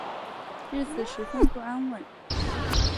日子十分不安稳